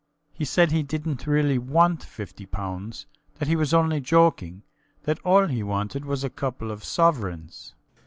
He said he didnt really want 50 pounds; that he was only joking; that all he wanted was a couple of sovereigns.